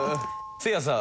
せいやさん。